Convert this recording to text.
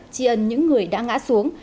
chi ân những người đã ngã xuống